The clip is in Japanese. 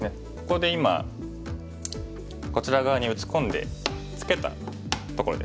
ここで今こちら側に打ち込んでツケたところですね。